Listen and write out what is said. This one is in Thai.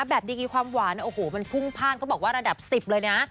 แบบดีกี่ความหวานโอ้โหมันพุ่งพ่างก็บอกว่ารันดับสิบเลยนะ